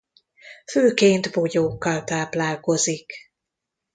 Főként bogyókkal táplálkozik.